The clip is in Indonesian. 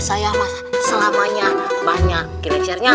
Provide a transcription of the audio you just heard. saya selamanya banyak kileksernya